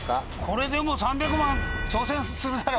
これでも３００万挑戦するだろ？